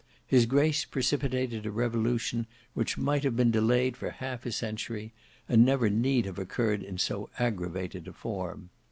His grace precipitated a revolution which might have been delayed for half a century, and never need have occurred in so aggravated a form.